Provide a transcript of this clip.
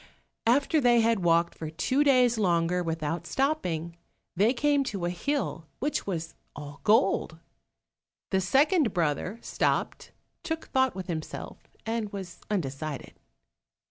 After they had walked for two days longer without stopping, they came to a hill which was all gold. The second brother stopped, took thought with himself, and was undecided.